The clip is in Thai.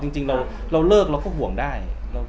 จริงเราเลิกเราก็ห่วงได้